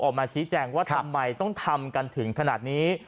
ออกมาชี้แจงว่าทำไมต้องทำกันถึงขนาดนี้